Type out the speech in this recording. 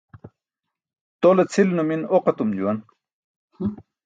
Tole cʰil numin oq etum juwan.